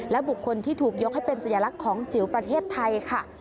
และบุคคลที่ถูกยกให้เป็นสัญลักษณ์ของจิ๋วประเทศไทยค่ะ